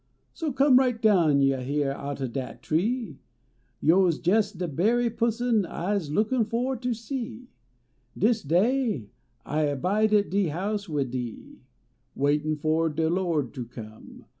So come right down hyah outen dat tree. Yo s jes de berry pusson Ise lookin fo ter see. 146 Dis day I abide at de house \vid thee," Waitin fo de Lo d ter come.